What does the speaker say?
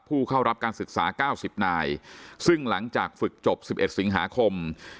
ผู้เข้ารับการศึกษา๙๐นายซึ่งหลังจากฝึกจบ๑๑สิงหาคม